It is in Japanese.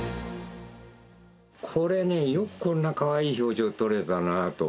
これねえよくこんなかわいい表情撮れたなあと。